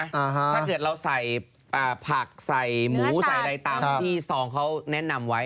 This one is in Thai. ถ้าเกิดเราใส่ผักใส่หมูใส่อะไรตามที่ซองเขาแนะนำไว้